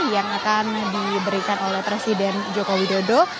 yang akan diberikan oleh presiden joko widodo